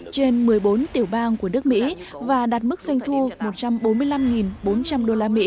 trên một mươi bốn tiểu bang của nước mỹ và đạt mức doanh thu một trăm bốn mươi năm bốn trăm linh usd